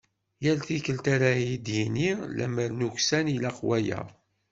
Yal tikkelt ara d-yini: "Lemmer nuksan ilaq waya".